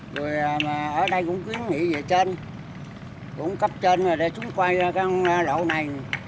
rồi ở đây cũng kiến nghị về trên cũng cấp trên rồi để xuống quay ra cây lộ này